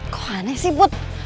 kok aneh sih put